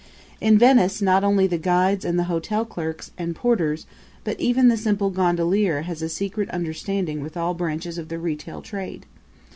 In Venice not only the guides and the hotel clerks and porters but even the simple gondolier has a secret understanding with all branches of the retail trade.